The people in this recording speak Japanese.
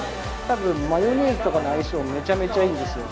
多分マヨネーズとかの相性めちゃめちゃいいですよ。